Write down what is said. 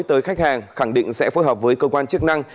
tới khách hàng khẳng định sẽ phối hợp với cơ quan chức năng